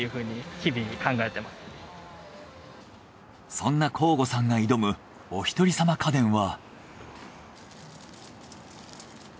そんな向後さんが挑むおひとりさま家電は。